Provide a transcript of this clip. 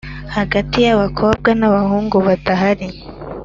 hagati y’abakobwa n’abahungu, badahari